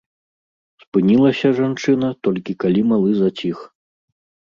Спынілася жанчына толькі калі малы заціх.